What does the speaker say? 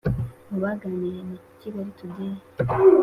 mu baganiriye na kigali today,